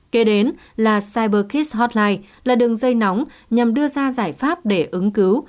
kế đến là cyberkids hotline là đường dây nóng nhằm đưa ra giải pháp để ứng cứu